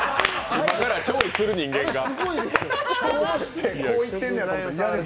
今から調理する人間が。